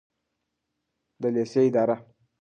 د لیسې اداره